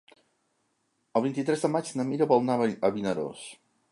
El vint-i-tres de maig na Mira vol anar a Vinaròs.